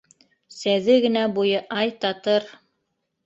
Сәҙе генә буйы, ай, татыр